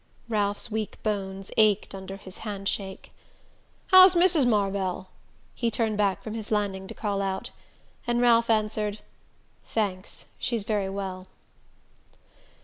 Ralph's weak bones ached under his handshake. "How's Mrs. Marvell?" he turned back from his landing to call out; and Ralph answered: "Thanks; she's very well."